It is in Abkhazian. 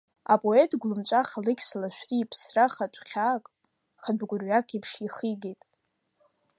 Апоет гәлымҵәах Алықьса Лашәриа иԥсра хатә хьаак, хатә гәырҩак еиԥш ихигеит.